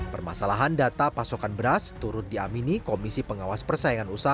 permasalahan data pasokan beras turut diamini komisi pengawas persaingan usaha